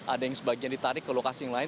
ada yang sebagian ditarik ke lokasi yang lain